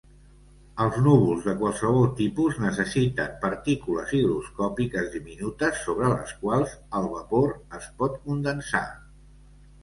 Els núvols de qualsevol tipus necessiten partícules higroscòpiques diminutes sobre les quals el vapor es pot condensar.